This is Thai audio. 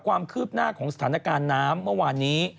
ความคืบหน้าของสถานการณ์น้ำเมื่อวานนี้